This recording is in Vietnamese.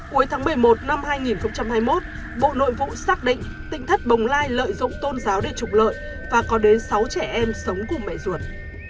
cuối tháng một mươi một năm hai nghìn hai mươi một bộ nội vụ xác định tinh thất bồng lai lợi dụng tôn giáo để trục lợi và có đến sáu trẻ em sống cùng mẹ ruột